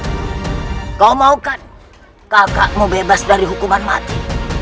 bagaimana kau maukan kakakmu bebas dari hukuman mati